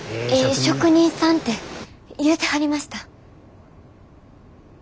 職人さんて言うてはりました。